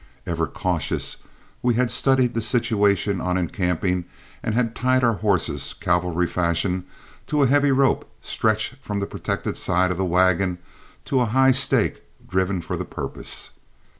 Ever cautious, we had studied the situation on encamping, and had tied our horses, cavalry fashion, to a heavy rope stretched from the protected side of the wagon to a high stake driven for the purpose.